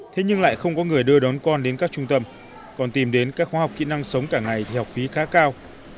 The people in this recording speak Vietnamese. thế nhưng lại không có người đưa đón con đến các trung tâm còn tìm đến các khoa học kỹ năng sống cả ngày thì học phí khá cao